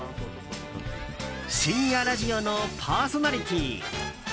深夜ラジオのパーソナリティー。